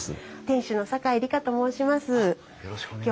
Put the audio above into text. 店主の酒井里香と申します。